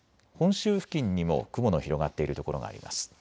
本州付近にも雲の広がっている所があります。